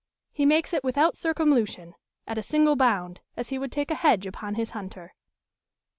He makes it without circumlocution, at a single bound, as he would take a hedge upon his hunter.